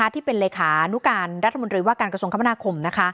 ที่เป็นเลขานุการรัฐมนตรีว่าการกระทรวงคมนาคม